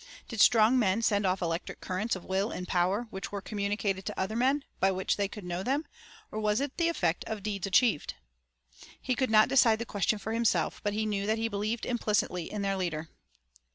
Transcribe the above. Did strong men send off electric currents of will and power which were communicated to other men, by which they could know them, or was it the effect of deeds achieved? He could not decide the question for himself, but he knew that he believed implicitly in their leader.